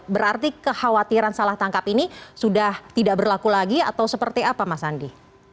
berarti kekhawatiran salah tangkap ini sudah tidak berlaku lagi atau seperti apa mas andi